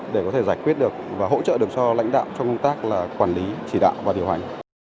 để có thể giải quyết được và hỗ trợ được cho lãnh đạo trong công tác là quản lý chỉ đạo và điều hành